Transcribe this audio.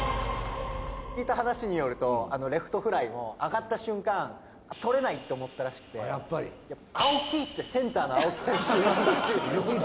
聞いた話によるとあのレフトフライも上がった瞬間捕れないって思ったらしくて「青木！」ってセンターの青木選手を。